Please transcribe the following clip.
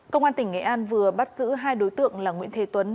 công an tỉnh nghệ an vừa bắt giữ hai đối tượng là nguyễn thế tuấn